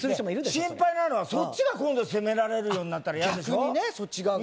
心配なのはそっちが今度責められるようになったら嫌逆にねそっち側がね